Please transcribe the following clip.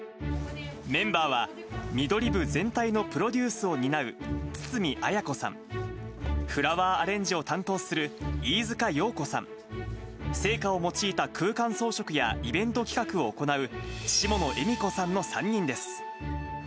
メンバーは、ミドリブ全体のプロデュースを担う堤彩子さん、フラワーアレンジを担当する飯塚陽子さん、生花を用いた空間装飾やイベント企画を行う、下野恵美子さんの３人です。